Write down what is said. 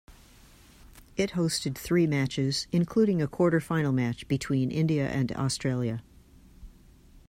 It hosted three matches, including a quarter final match between India and Australia.